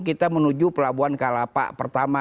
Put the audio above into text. kita menuju pelabuhan kalapak pertama